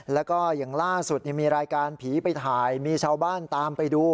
แล้วก็อย่างล่าสุดมีรายการผีไปถ่ายมีชาวบ้านตามไปดู